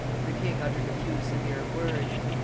The king uttered a few severe words.